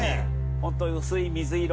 ホントに薄い水色